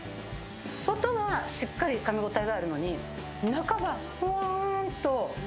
外はしっかり噛みごたえがあるのに中が、ほわんと。